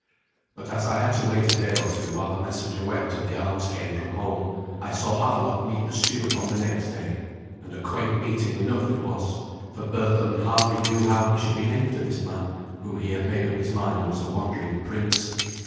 But as I had to wait a day or two while the messenger went and the arms came from home, I saw Havelok meet the steward on the next day: and a quaint meeting enough it was, for Berthun hardly knew how he should behave to this man, whom he had made up his mind was a wandering prince.